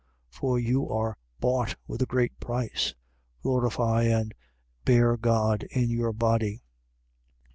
6:20. For you are bought with a great price. Glorify and bear God in your body.